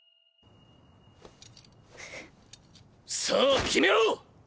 さあ決めろ！